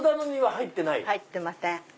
入ってません。